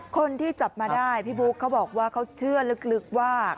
คนที่จับมาได้พี่บุ๊คเขาบอกว่าเขาเชื่อลึกว่า